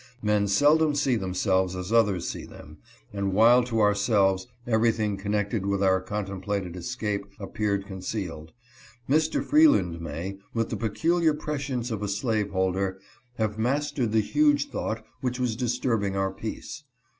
Men seldom see themselves as others see them ; and while to ourselves everything con nected with our contemplated escape appeared concealed, Mr. Freeland may, with the peculiar prescience of a slave holder, have mastered the huge thought which was dis turbing our peace.